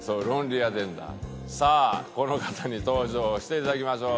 さあこの方に登場していただきましょう。